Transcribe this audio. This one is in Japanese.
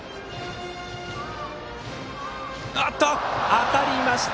当たりました！